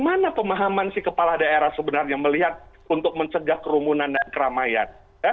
mana pemahaman si kepala daerah sebenarnya melihat untuk mencegah kerumunan dan keramaian